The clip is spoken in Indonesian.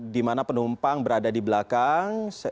di mana penumpang berada di belakang